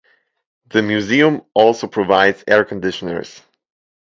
The museum also provides Air Conditioners.